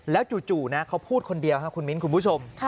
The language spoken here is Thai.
แล้วจู่นะเขาพูดคนเดียวคุณมิ้นคุณผู้ชม